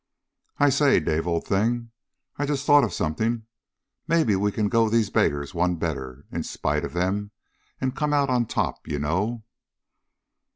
"I say, Dave, old thing, I just thought of something. Maybe we can go these beggars one better, in spite of them, and come out on top, you know."